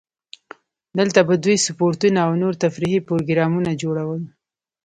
دلته به دوی سپورتونه او نور تفریحي پروګرامونه جوړول.